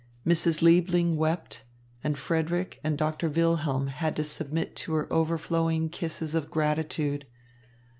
Mrs. Liebling wept, and Frederick and Doctor Wilhelm had to submit to her overflowing kisses of gratitude.